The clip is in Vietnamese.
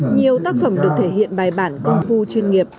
nhiều tác phẩm được thể hiện bài bản công phu chuyên nghiệp